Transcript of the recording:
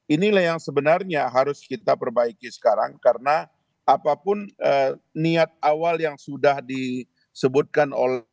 inilah yang sebenarnya harus kita perbaiki sekarang karena apapun niat awal yang sudah disebutkan